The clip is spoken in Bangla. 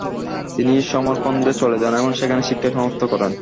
তিনি সমরখন্দে চলে যান এবং সেখানে শিক্ষা সমাপ্ত করেন।